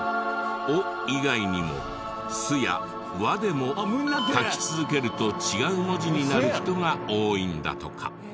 「お」以外にも「す」や「わ」でも書き続けると違う文字になる人が多いんだとか。